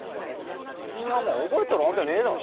そんなもん覚えてるわけねえだろ。